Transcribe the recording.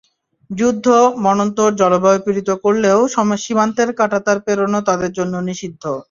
যুদ্ধ, মন্বন্তর, জলবায়ু পীড়িত করলেও সীমান্তের কাঁটাতার পেরোনো তাদের জন্য নিষিদ্ধ।